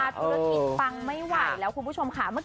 ตรงนี้คุณจับละโดยปั๊ง